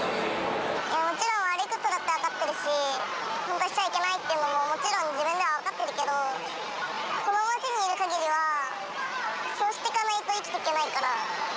もちろん悪いことだって分かってるし、本当はしちゃいけないって、もちろん自分では分かってるけど、この街にいるかぎりは、そうしていかないと生きていけないから。